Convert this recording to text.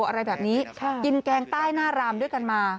อะไรแบบนี้กินแกงใต้หน้ารามด้วยกันมา